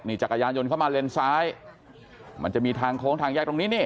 จักรยานยนต์เข้ามาเลนซ้ายมันจะมีทางโค้งทางแยกตรงนี้นี่